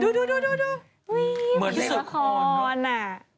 ดูเหมือนที่ศักดิ์ละครเนอะ